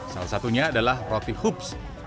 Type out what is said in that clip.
salah satunya adalah roti hoops